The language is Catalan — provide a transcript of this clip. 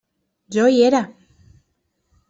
Jo hi era.